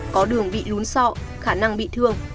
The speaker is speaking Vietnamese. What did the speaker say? có đường bị lún so khả năng bị thương